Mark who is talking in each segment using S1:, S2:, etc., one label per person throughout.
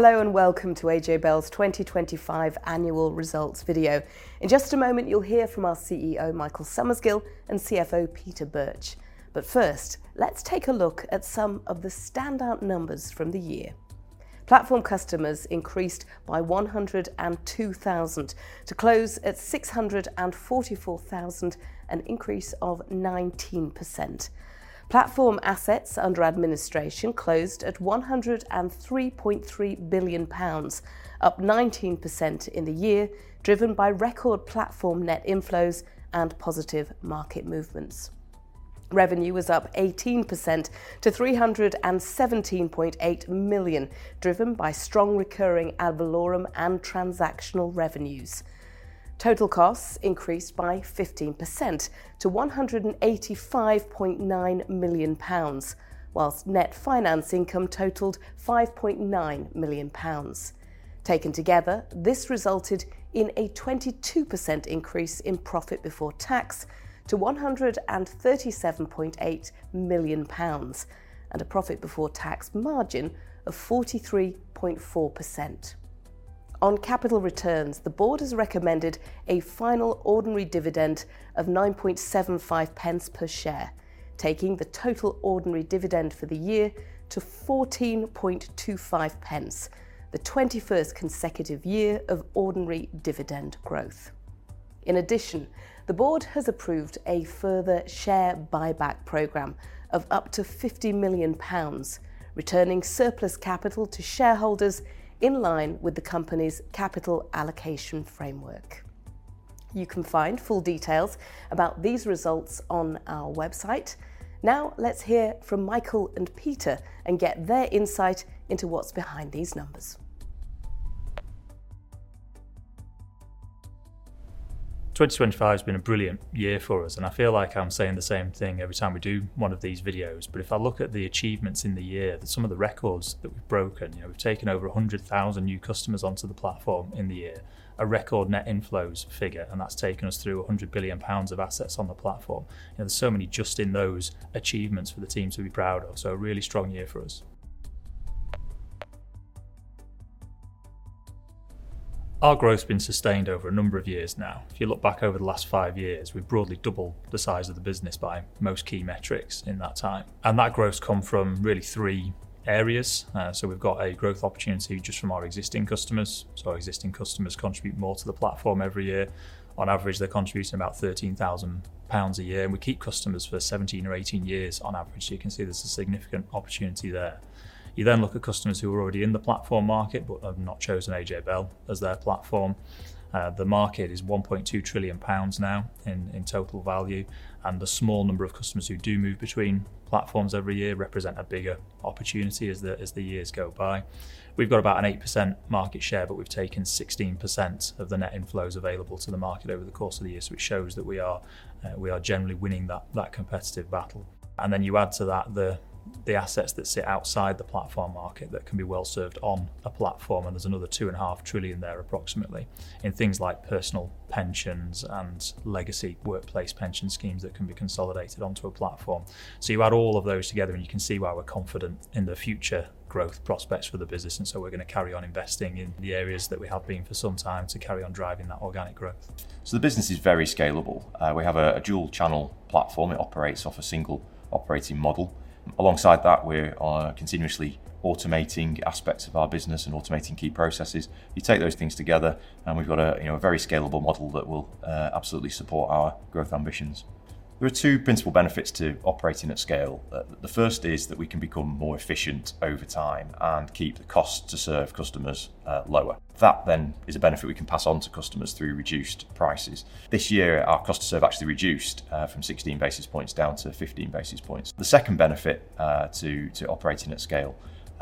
S1: Hello and welcome to AJ Bell's 2025 annual results video. In just a moment, you'll hear from our CEO, Michael Summersgill, and CFO, Peter Birch. But first, let's take a look at some of the standout numbers from the year. Platform customers increased by 102,000 to close at 644,000, an increase of 19%. Platform assets under administration closed at 103.3 billion pounds, up 19% in the year, driven by record platform net inflows and positive market movements. Revenue was up 18% to 317.8 million, driven by strong recurring ad valorem and transactional revenues. Total costs increased by 15% to 185.9 million pounds, while net finance income totaled 5.9 million pounds. Taken together, this resulted in a 22% increase in profit before tax to 137.8 million pounds and a profit before tax margin of 43.4%. On capital returns, the board has recommended a final ordinary dividend of 9.75 per share, taking the total ordinary dividend for the year to 14.25, the 21st consecutive year of ordinary dividend growth. In addition, the board has approved a further share buyback program of up to 50 million pounds, returning surplus capital to shareholders in line with the company's capital allocation framework. You can find full details about these results on our website. Now let's hear from Michael and Peter and get their insight into what's behind these numbers.
S2: 2025 has been a brilliant year for us, and I feel like I'm saying the same thing every time we do one of these videos. But if I look at the achievements in the year, some of the records that we've broken, we've taken over 100,000 new customers onto the platform in the year, a record net inflows figure, and that's taken us through 100 billion pounds of assets on the platform. There's so many just in those achievements for the teams to be proud of. So, a really strong year for us. Our growth has been sustained over a number of years now. If you look back over the last five years, we've broadly doubled the size of the business by most key metrics in that time. And that growth has come from really three areas. So, we've got a growth opportunity just from our existing customers. So, our existing customers contribute more to the platform every year. On average, they're contributing about 13,000 pounds a year, and we keep customers for 17 or 18 years on average. So, you can see there's a significant opportunity there. You then look at customers who are already in the platform market but have not chosen AJ Bell as their platform. The market is 1.2 trillion pounds now in total value, and the small number of customers who do move between platforms every year represent a bigger opportunity as the years go by. We've got about an 8% market share, but we've taken 16% of the net inflows available to the market over the course of the year. So, it shows that we are generally winning that competitive battle. And then you add to that the assets that sit outside the platform market that can be well served on a platform, and there's another 2.5 trillion there approximately in things like personal pensions and legacy workplace pension schemes that can be consolidated onto a platform. So, you add all of those together, and you can see why we're confident in the future growth prospects for the business. And so, we're going to carry on investing in the areas that we have been for some time to carry on driving that organic growth. So, the business is very scalable. We have a dual-channel platform. It operates off a single operating model. Alongside that, we are continuously automating aspects of our business and automating key processes. You take those things together, and we've got a very scalable model that will absolutely support our growth ambitions. There are two principal benefits to operating at scale. The first is that we can become more efficient over time and keep the cost to serve customers lower. That then is a benefit we can pass on to customers through reduced prices. This year, our cost to serve actually reduced from 16 basis points down to 15 basis points. The second benefit to operating at scale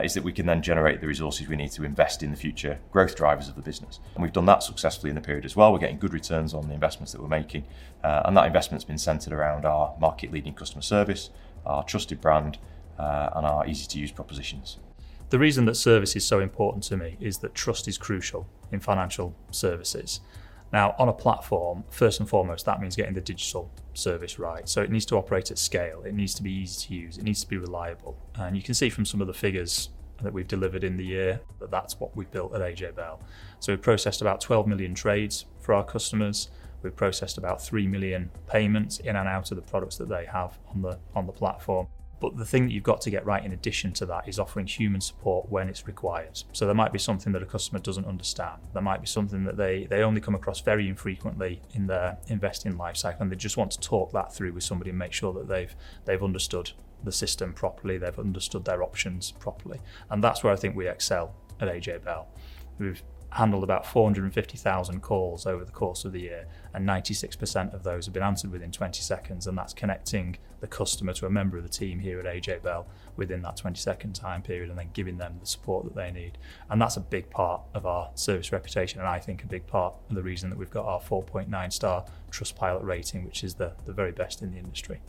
S2: is that we can then generate the resources we need to invest in the future growth drivers of the business. And we've done that successfully in the period as well. We're getting good returns on the investments that we're making, and that investment has been centered around our market-leading customer service, our trusted brand, and our easy-to-use propositions. The reason that service is so important to me is that trust is crucial in financial services. Now, on a platform, first and foremost, that means getting the digital service right. So, it needs to operate at scale. It needs to be easy to use. It needs to be reliable. And you can see from some of the figures that we've delivered in the year that that's what we've built at AJ Bell. So, we've processed about 12 million trades for our customers. We've processed about 3 million payments in and out of the products that they have on the platform. But the thing that you've got to get right in addition to that is offering human support when it's required. So, there might be something that a customer doesn't understand. There might be something that they only come across very infrequently in their investing lifecycle, and they just want to talk that through with somebody and make sure that they've understood the system properly, they've understood their options properly, and that's where I think we excel at AJ Bell. We've handled about 450,000 calls over the course of the year, and 96% of those have been answered within 20 seconds, and that's connecting the customer to a member of the team here at AJ Bell within that 20-second time period and then giving them the support that they need, and that's a big part of our service reputation, and I think a big part of the reason that we've got our 4.9-star Trustpilot rating, which is the very best in the industry.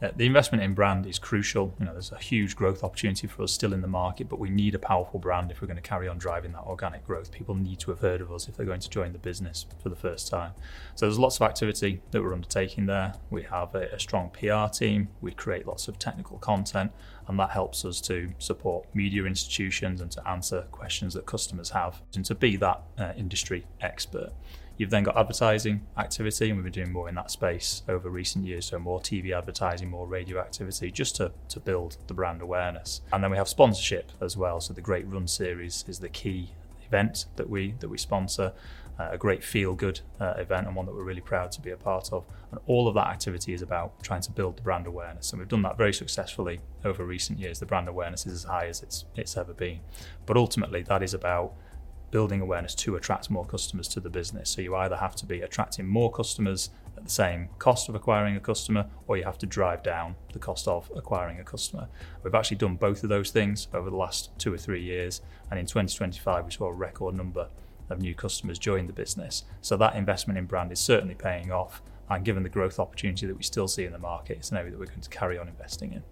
S2: The investment in brand is crucial. There's a huge growth opportunity for us still in the market, but we need a powerful brand if we're going to carry on driving that organic growth. People need to have heard of us if they're going to join the business for the first time, so there's lots of activity that we're undertaking there. We have a strong PR team. We create lots of technical content, and that helps us to support media institutions and to answer questions that customers have and to be that industry expert. You've then got advertising activity, and we've been doing more in that space over recent years, so more TV advertising, more radio activity just to build the brand awareness, and then we have sponsorship as well, so the Great Run Series is the key event that we sponsor, a great feel-good event and one that we're really proud to be a part of. All of that activity is about trying to build the brand awareness. We've done that very successfully over recent years. The brand awareness is as high as it's ever been. Ultimately, that is about building awareness to attract more customers to the business. You either have to be attracting more customers at the same cost of acquiring a customer, or you have to drive down the cost of acquiring a customer. We've actually done both of those things over the last two or three years, and in 2025, we saw a record number of new customers join the business. That investment in brand is certainly paying off, and given the growth opportunity that we still see in the market, it's an area that we're going to carry on investing in.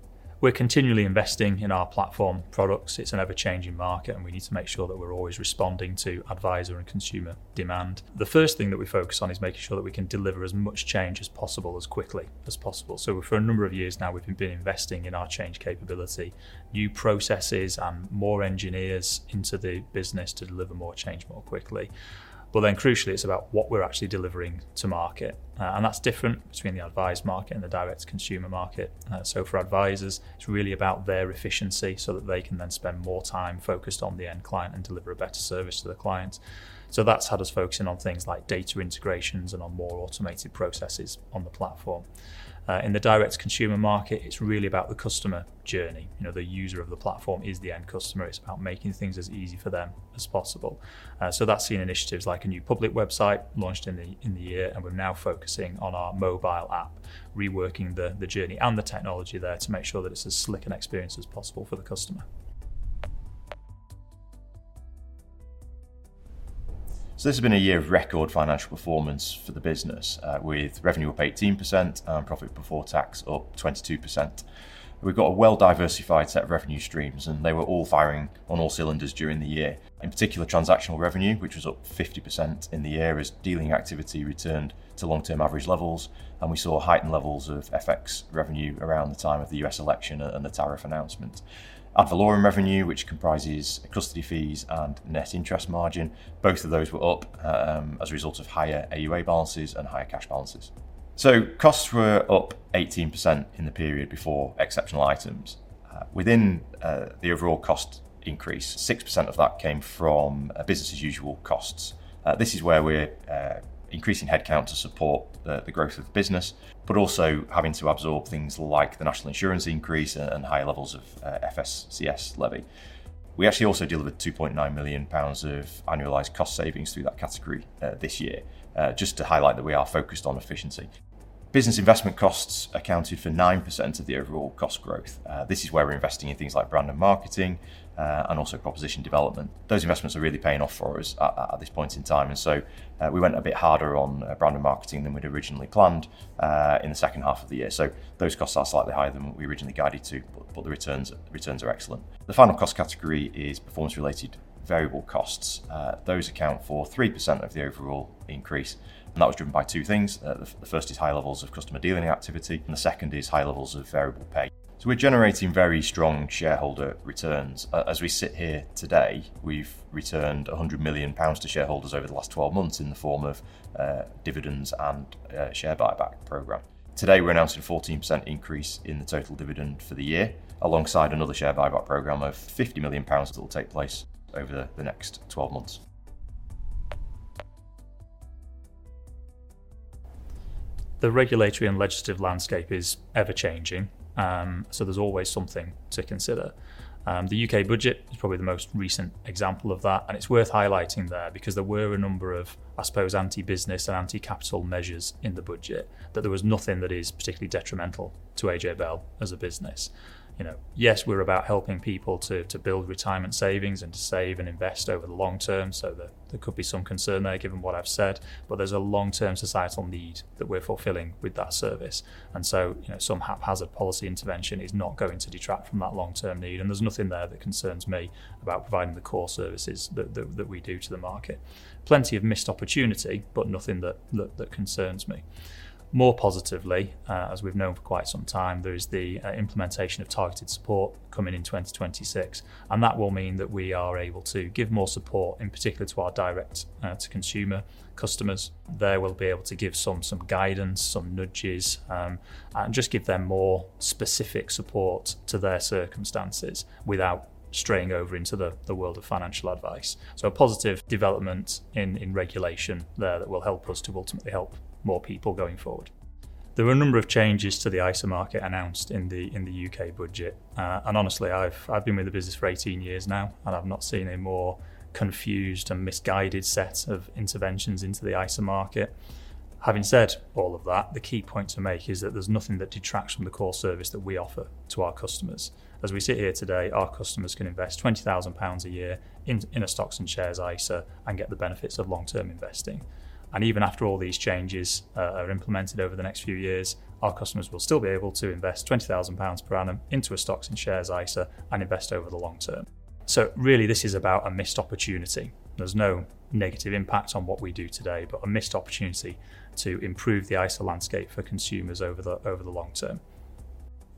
S2: We're continually investing in our platform products. It's an ever-changing market, and we need to make sure that we're always responding to advisor and consumer demand. The first thing that we focus on is making sure that we can deliver as much change as possible as quickly as possible. So, for a number of years now, we've been investing in our change capability, new processes, and more engineers into the business to deliver more change more quickly. But then crucially, it's about what we're actually delivering to market. And that's different between the advisor market and the direct consumer market. So, for advisors, it's really about their efficiency so that they can then spend more time focused on the end client and deliver a better service to the client. So, that's had us focusing on things like data integrations and on more automated processes on the platform. In the direct consumer market, it's really about the customer journey. The user of the platform is the end customer. It's about making things as easy for them as possible. So, that's seen initiatives like a new public website launched in the year, and we're now focusing on our mobile app, reworking the journey and the technology there to make sure that it's as slick an experience as possible for the customer. So, this has been a year of record financial performance for the business, with revenue up 18% and profit before tax up 22%. We've got a well-diversified set of revenue streams, and they were all firing on all cylinders during the year. In particular, transactional revenue, which was up 50% in the year, as dealing activity returned to long-term average levels, and we saw heightened levels of FX revenue around the time of the U.S. election and the tariff announcement. Ad valorem revenue, which comprises custody fees and net interest margin, both of those were up as a result of higher AUA balances and higher cash balances. So, costs were up 18% in the period before exceptional items. Within the overall cost increase, 6% of that came from business-as-usual costs. This is where we're increasing headcount to support the growth of the business, but also having to absorb things like the national insurance increase and higher levels of FSCS levy. We actually also delivered 2.9 million pounds of annualized cost savings through that category this year, just to highlight that we are focused on efficiency. Business investment costs accounted for 9% of the overall cost growth. This is where we're investing in things like brand and marketing and also proposition development. Those investments are really paying off for us at this point in time. And so, we went a bit harder on brand and marketing than we'd originally planned in the second half of the year. So, those costs are slightly higher than we originally guided to, but the returns are excellent. The final cost category is performance-related variable costs. Those account for 3% of the overall increase, and that was driven by two things. The first is high levels of customer dealing activity, and the second is high levels of variable pay. So, we're generating very strong shareholder returns. As we sit here today, we've returned 100 million pounds to shareholders over the last 12 months in the form of dividends and a share buyback program. Today, we're announcing a 14% increase in the total dividend for the year, alongside another share buyback program of 50 million pounds that will take place over the next 12 months. The regulatory and legislative landscape is ever-changing, so there's always something to consider. The U.K. budget is probably the most recent example of that, and it's worth highlighting there because there were a number of, I suppose, anti-business and anti-capital measures in the budget, but there was nothing that is particularly detrimental to AJ Bell as a business. Yes, we're about helping people to build retirement savings and to save and invest over the long term, so there could be some concern there given what I've said, but there's a long-term societal need that we're fulfilling with that service, and so, some haphazard policy intervention is not going to detract from that long-term need, and there's nothing there that concerns me about providing the core services that we do to the market. Plenty of missed opportunity, but nothing that concerns me. More positively, as we've known for quite some time, there is the implementation of Targeted Support coming in 2026, and that will mean that we are able to give more support, in particular to our direct-to-consumer customers. There we'll be able to give some guidance, some nudges, and just give them more specific support to their circumstances without straying over into the world of financial advice. A positive development in regulation there that will help us to ultimately help more people going forward. There were a number of changes to the ISA market announced in the U.K. budget, and honestly, I've been with the business for 18 years now, and I've not seen a more confused and misguided set of interventions into the ISA market. Having said all of that, the key point to make is that there's nothing that detracts from the core service that we offer to our customers. As we sit here today, our customers can invest 20,000 pounds a year in a Stocks and Shares ISA and get the benefits of long-term investing. Even after all these changes are implemented over the next few years, our customers will still be able to invest 20,000 pounds per annum into a Stocks and Shares ISA and invest over the long term. So, really, this is about a missed opportunity. There's no negative impact on what we do today, but a missed opportunity to improve the ISA landscape for consumers over the long term.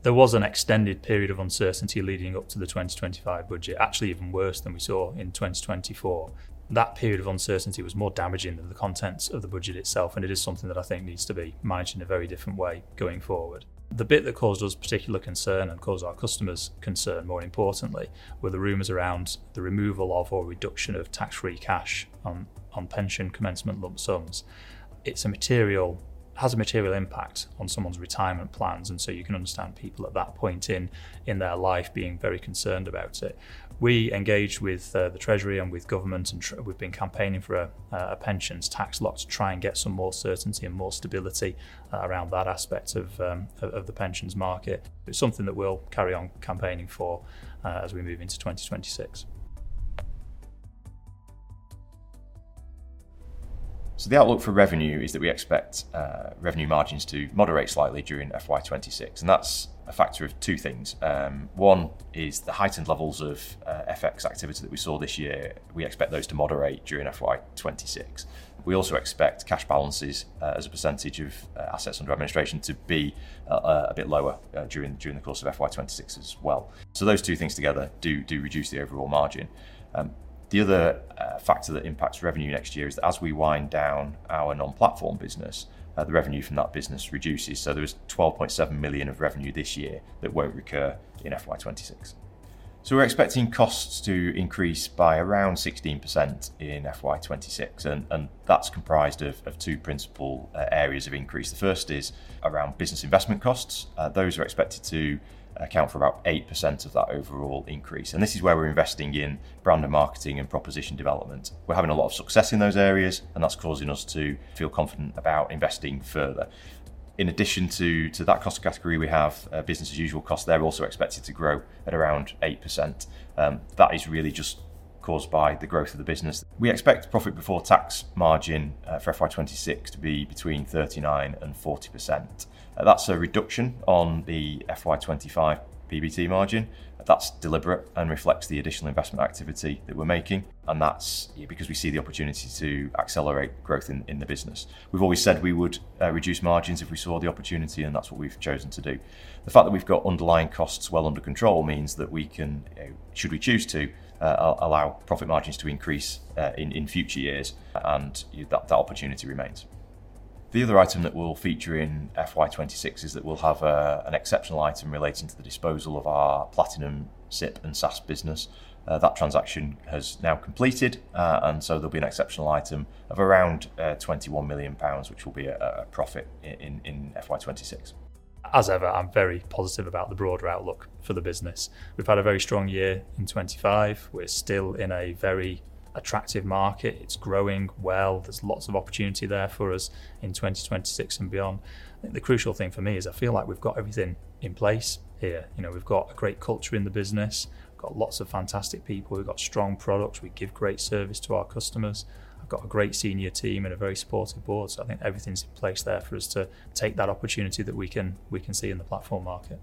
S2: There was an extended period of uncertainty leading up to the 2025 budget, actually even worse than we saw in 2024. That period of uncertainty was more damaging than the contents of the budget itself, and it is something that I think needs to be managed in a very different way going forward. The bit that caused us particular concern and caused our customers concern, more importantly, were the rumors around the removal of or reduction of tax-free cash on Pension Commencement Lump Sums. It has a material impact on someone's retirement plans, and so you can understand people at that point in their life being very concerned about it. We engage with the Treasury and with government, and we've been campaigning for a pensions tax lock to try and get some more certainty and more stability around that aspect of the pensions market. It's something that we'll carry on campaigning for as we move into 2026, so the outlook for revenue is that we expect revenue margins to moderate slightly during FY 2026, and that's a factor of two things. One is the heightened levels of FX activity that we saw this year. We expect those to moderate during FY 2026. We also expect cash balances as a percentage of assets under administration to be a bit lower during the course of FY 2026 as well, so those two things together do reduce the overall margin. The other factor that impacts revenue next year is that as we wind down our non-platform business, the revenue from that business reduces. So, there was 12.7 million of revenue this year that won't recur in FY 2026. So, we're expecting costs to increase by around 16% in FY 2026, and that's comprised of two principal areas of increase. The first is around business investment costs. Those are expected to account for about 8% of that overall increase. And this is where we're investing in brand and marketing and proposition development. We're having a lot of success in those areas, and that's causing us to feel confident about investing further. In addition to that cost category, we have business-as-usual costs. They're also expected to grow at around 8%. That is really just caused by the growth of the business. We expect profit before tax margin for FY 2026 to be between 39% and 40%. That's a reduction on the FY 2025 PBT margin. That's deliberate and reflects the additional investment activity that we're making, and that's because we see the opportunity to accelerate growth in the business. We've always said we would reduce margins if we saw the opportunity, and that's what we've chosen to do. The fact that we've got underlying costs well under control means that we can, should we choose to, allow profit margins to increase in future years, and that opportunity remains. The other item that we'll feature in FY 2026 is that we'll have an exceptional item relating to the disposal of our Platinum SIPP and SSAS business. That transaction has now completed, and so there'll be an exceptional item of around 21 million pounds, which will be a profit in FY 2026. As ever, I'm very positive about the broader outlook for the business. We've had a very strong year in 2025. We're still in a very attractive market. It's growing well. There's lots of opportunity there for us in 2026 and beyond. The crucial thing for me is I feel like we've got everything in place here. We've got a great culture in the business. We've got lots of fantastic people. We've got strong products. We give great service to our customers. I've got a great senior team and a very supportive board, so I think everything's in place there for us to take that opportunity that we can see in the platform market.